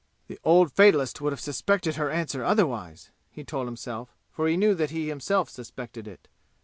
"The old fatalist would have suspected her answer otherwise!" he told himself, for he knew that he himself suspected it.